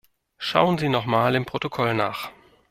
Schauen Sie noch mal im Protokoll nach.